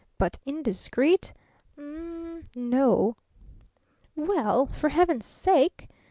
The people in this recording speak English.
But 'indiscreet'? U m m, No!" "Well, for heaven's sake!"